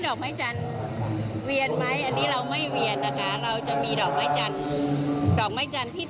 ดอกไม้จันทร์เวียนไหมเราก็ไม่เวียนนะคะ